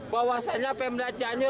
bahwasannya pemda cianjur